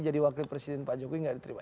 jadi wakil presiden pak jokowi gak diterima